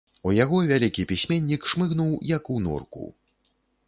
У яго вялікі пісьменнік шмыгнуў, як у норку.